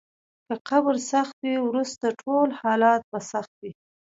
که قبر سخت وي، وروسته ټول حالات به سخت وي.